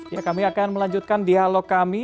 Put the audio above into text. ya kami akan melanjutkan dialog kami